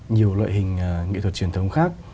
nhiều loại hình nghệ thuật truyền thống khác